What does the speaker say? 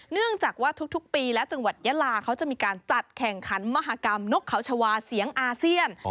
เนื่องจากว่าทุกปีและจังหวัดยาลาเขาจะมีการจัดแข่งขันมหากรรมนกเขาชาวาเสียงอาเซียน